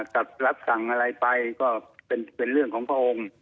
รับสั่งอะไรไปก็เป็นเรื่องของพระองค์